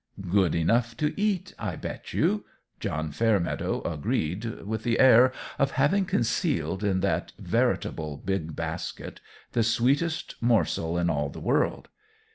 "Good enough to eat, I bet you!" John Fairmeadow agreed, with the air of having concealed in that veritable big basket the sweetest morsel in all the world.